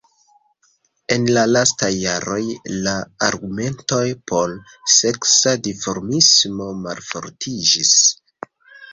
En lastaj jaroj la argumentoj por seksa dimorfismo malfortiĝis.